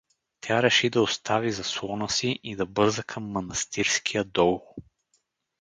Тя реши да остави заслона си и да бърза към Манастирския дол.